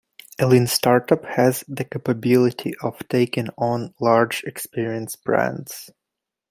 A lean startup has the capability of taking on large experienced brands.